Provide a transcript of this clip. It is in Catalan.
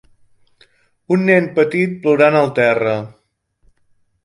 Un nen petit plorant al terra.